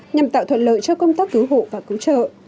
nhằm tạo thuận lợi cho công tác cứu hộ và cứu trợ